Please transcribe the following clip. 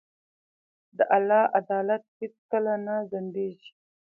د الله عدالت هیڅکله نه ځنډېږي.